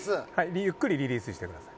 ゆっくりリリースしてください。